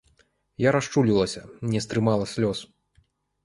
Я расчулілася, не стрымала слёз.